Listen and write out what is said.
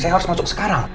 saya harus masuk sekarang